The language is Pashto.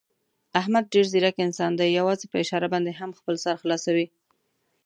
احمد ډېر ځیرک انسان دی، یووازې په اشاره باندې هم خپل سر خلاصوي.